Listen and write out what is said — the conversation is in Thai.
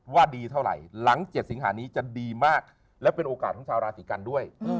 ดีเท่าไหร่หลัง๗สิงหานี้จะดีมากและเป็นโอกาสของชาวราศีกันด้วย